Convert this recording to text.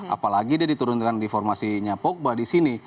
apalagi dia diturunkan di formasinya pogba disini